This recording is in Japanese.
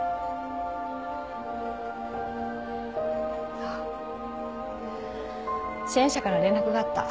ああ支援者から連絡があった。